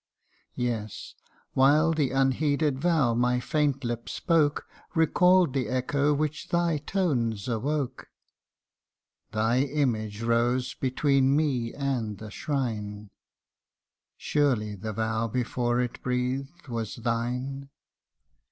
Yes while the unheeded vow my faint lip spoke, Recall 'd the echo which thy tones awoke Thy image rose between me and the shrine ; Surely the vow before it breathed was thine.